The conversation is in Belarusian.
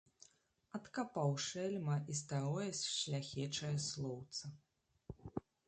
Адкапаў, шэльма, і старое шляхечае слоўца.